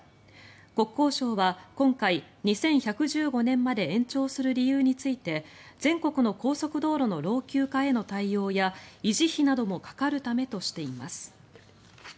国交省は今回、２１１５年まで延長する理由について全国の高速道路の老朽化への対応や維持費などもかかるためとしています。